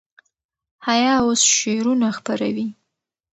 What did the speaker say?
حیا اوس شعرونه خپروي.